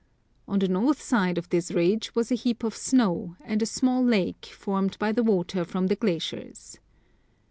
On the north side of this ridge was a heap of snow, and a small lake, formed by the water from the glaciers.